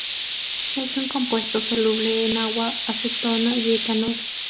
Es un compuesto soluble en agua, acetona y etanol.